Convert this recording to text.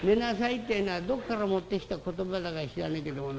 ってえのはどっから持ってきた言葉だか知らないけどもな